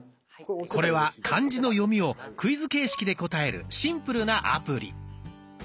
これは漢字の読みをクイズ形式で答えるシンプルなアプリ。